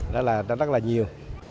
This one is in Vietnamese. đó là rất là nhiều